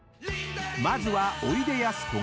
［まずはおいでやすこが］